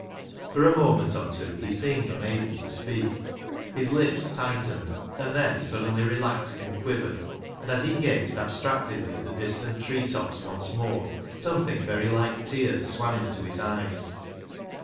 For a moment or two he seemed unable to speak. His lips tightened, and then suddenly relaxed and quivered, and as he gazed abstractedly at the distant tree tops once more, something very like tears swam into his eyes.